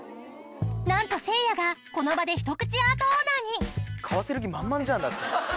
なんとせいやがこの場で一口アートオーナーに買わせる気満々じゃん。